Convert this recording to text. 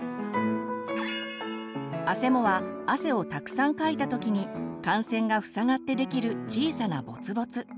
あせもは汗をたくさんかいた時に汗腺が塞がってできる小さなボツボツ。